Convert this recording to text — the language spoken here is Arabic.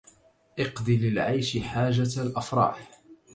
اقض للعيش حاجة الأفراح